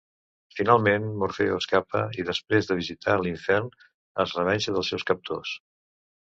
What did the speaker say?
Finalment, Morfeu escapa, i després de visitar l'Infern es revenja dels seus captors.